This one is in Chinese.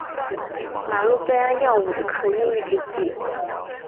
吗氯贝胺药物的可逆抑制剂。